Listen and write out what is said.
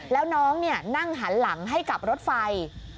แล้วน้องนั่งหันหลังให้กับรถไฟ